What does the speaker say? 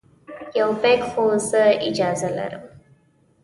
یو بیک خو زه اجازه لرم.